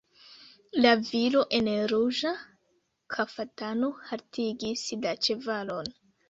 La viro en ruĝa kaftano haltigis la ĉevalon.